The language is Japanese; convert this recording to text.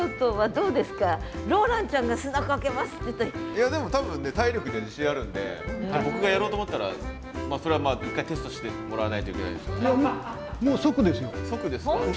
いやでも多分ね体力には自信あるんで僕がやろうと思ったらそれはまあ一回テストしてもらわないといけないですよね。